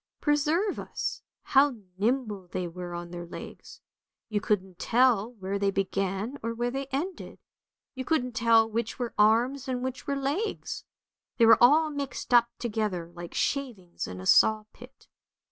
Preserve us, how nimble they were on their legs, you couldn't tell where they began, or where they ended, you couldn't tell which were arms and which were legs, they were all mixed up together like shavings in a saw pit.